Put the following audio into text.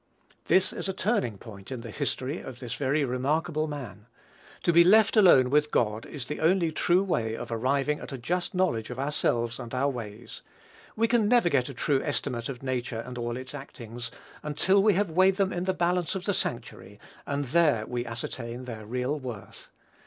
This is a turning point in the history of this very remarkable man. To be left alone with God is the only true way of arriving at a just knowledge of ourselves and our ways. We can never get a true estimate of nature and all its actings, until we have weighed them in the balance of the sanctuary, and there we ascertain their real worth.